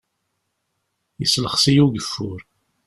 Yeslexs-iyi ugeffur.